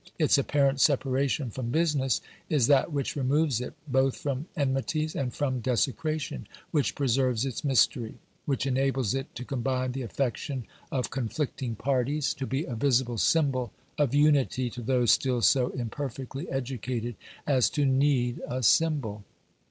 Its apparent separation from business is that which removes it both from enmities and from desecration, which preserves its mystery, which enables it to combine the affection of conflicting parties to be a visible symbol of unity to those still so imperfectly educated as to need a symbol.